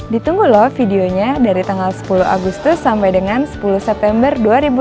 ditunggu loh videonya dari tanggal sepuluh agustus sampai dengan sepuluh september dua ribu delapan belas